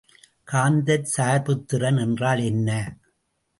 காந்தச் சார்புத்திறன் என்றால் என்ன?